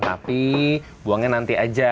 tapi buangnya nanti saja